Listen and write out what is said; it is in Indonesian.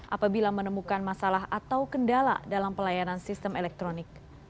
apabila menemukan masalah atau kendala dalam pelayanan sistem elektronik